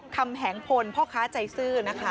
คำแหงพลพ่อค้าใจซื่อ